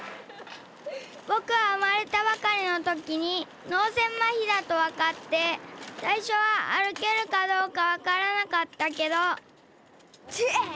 ぼくはうまれたばかりのときにのうせいまひだとわかってさいしょはあるけるかどうかわからなかったけどてい！